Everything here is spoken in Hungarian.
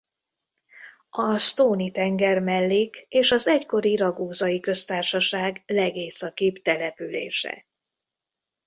A Stoni tengermellék és az egykori Raguzai Köztársaság legészakibb települése.